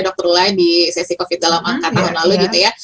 dokter lula di sesi covid dalam angka tahun lalu gitu ya